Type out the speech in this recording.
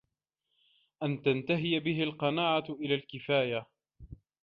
أَنْ تَنْتَهِيَ بِهِ الْقَنَاعَةُ إلَى الْكِفَايَةِ